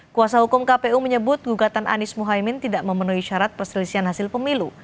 kuasa hukum kpu menyebut gugatan anies mohaimin tidak memenuhi syarat perselisihan hasil pemilu